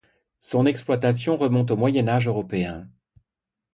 Son exploitation remonte au Moyen Âge européen.